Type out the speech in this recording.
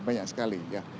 banyak sekali ya